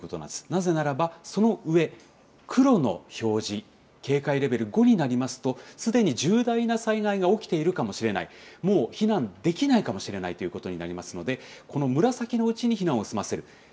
なぜならば、その上、黒の表示、警戒レベル５になりますと、すでに重大な災害が起きているかもしれない、もう避難できないかもしれないということになりますので、この紫のうちに避難を済ませる。